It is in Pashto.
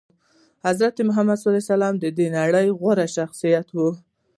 حضرت محمد د نړي غوره شخصيت وو